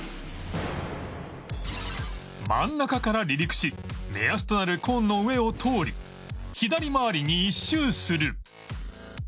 真ん中から離陸し目安となるコーンの上を通り左回りに１周する